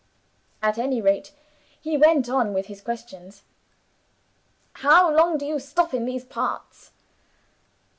At any rate, he went on with his questions. 'How long do you stop in these parts?